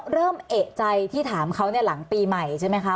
เริ่มเอกใจที่ถามเขาเนี่ยหลังปีใหม่ใช่ไหมคะ